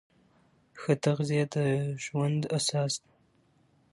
ښه تغذیه د ژوند اساس ده.